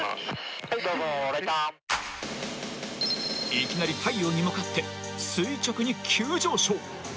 ［いきなり太陽に向かって垂直に急上昇］